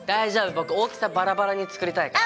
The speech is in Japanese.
僕大きさバラバラに作りたいから。